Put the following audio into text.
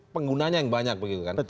penggunanya yang banyak begitu kan